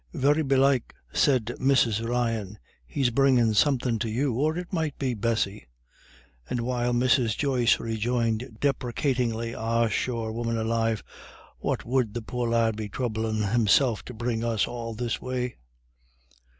"Very belike," said Mrs. Ryan, "he's bringin' somethin' to you, or it might be Bessy." And while Mrs. Joyce rejoined deprecatingly: "Ah sure, woman alive, what would the poor lad be troublin' himself to bring us all this way?"